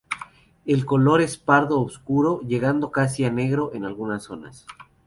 El color es pardo oscuro llegando a casi negro en algunas zonas.